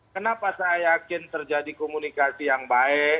kenapa saya yakin terjadi komunikasi yang baik